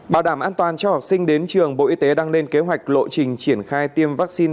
bảo đảm an toàn cho học sinh đến trường bộ y tế đang lên kế hoạch lộ trình triển khai tiêm vaccine